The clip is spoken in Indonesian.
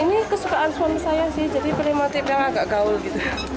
ini kesukaan suami saya sih jadi motif yang agak gaul gitu